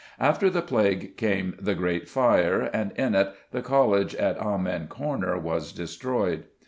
After the plague came the great fire, and in it the College at Amen Corner was destroyed.